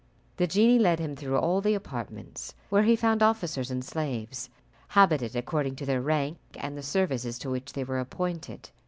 The genie led him through all the apartments, where he found officers and slaves, habited according to their rank and the services to which they were appointed.